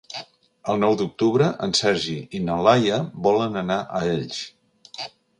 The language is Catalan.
El nou d'octubre en Sergi i na Laia volen anar a Elx.